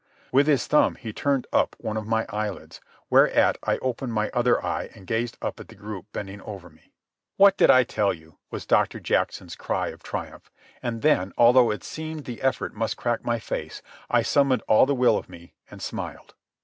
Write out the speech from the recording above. With his thumb he turned up one of my eyelids, whereat I opened my other eye and gazed up at the group bending over me. "What did I tell you?" was Doctor Jackson's cry of triumph. And then, although it seemed the effort must crack my face, I summoned all the will of me and smiled.